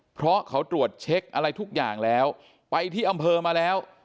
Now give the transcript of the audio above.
เพราะเขาตรวจเช็คอะไรทุกอย่างแล้วไปที่อำเภอมาแล้ว